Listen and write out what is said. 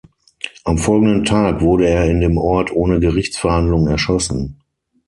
Am folgenden Tag wurde er in dem Ort ohne Gerichtsverhandlung erschossen.